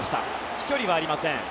飛距離はありません。